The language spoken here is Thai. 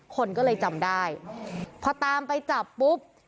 คนก็เลยจำได้พอตามไปจับปุ๊บ